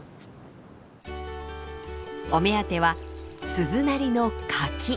お目当ては鈴なりの柿！